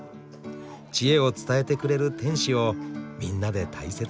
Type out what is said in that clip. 知恵を伝えてくれる天使をみんなで大切にしてる。